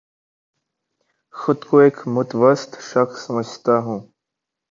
خود کو ایک متوسط شخص سمجھتا ہوں